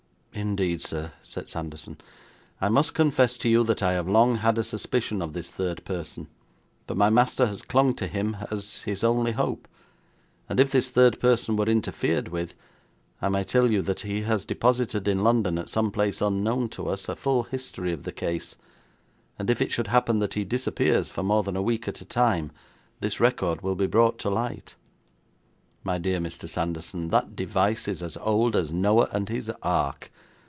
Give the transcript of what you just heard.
'Indeed, sir,' said Sanderson, 'I must confess to you that I have long had a suspicion of this third person, but my master has clung to him as his only hope, and if this third person were interfered with, I may tell you that he has deposited in London at some place unknown to us, a full history of the case, and if it should happen that he disappears for more than a week at a time, this record will be brought to light.' 'My dear Mr. Sanderson, that device is as old as Noah and his ark.